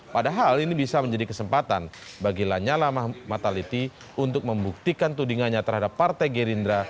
padahal ini bisa menjadi kesempatan bagi lanyala mataliti untuk membuktikan tudingannya terhadap partai gerindra